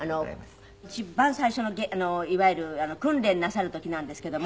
一番最初のいわゆる訓練なさる時なんですけども。